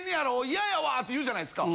嫌やわ！って言うじゃないですか？